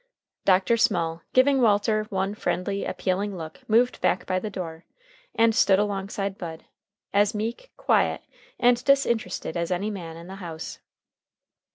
Dr. Small, giving Walter one friendly, appealing look, moved back by the door, and stood alongside Bud, as meek, quiet, and disinterested as any man in the house.